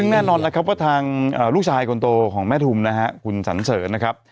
ซึ่งแน่นอนแล้วครับว่าทางลูกชายคนโตของแม่ทุมนะฮะคุณสันเสริญนะครับ